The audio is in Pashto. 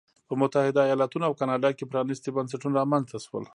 په متحده ایالتونو او کاناډا کې پرانیستي بنسټونه رامنځته شول.